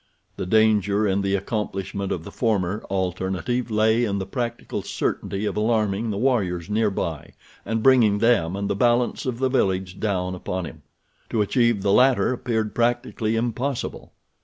The danger in the accomplishment of the former alternative lay in the practical certainty of alarming the warriors near by and bringing them and the balance of the village down upon him. To achieve the latter appeared practically impossible.